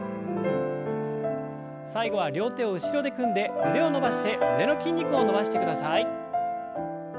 最後は両手を後ろで組んで腕を伸ばして胸の筋肉を伸ばしてください。